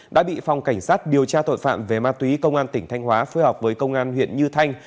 đã bị phòng cảnh sát điều tra tội phạm về ma túy công an tỉnh thanh hóa phối hợp với công an huyện như thanh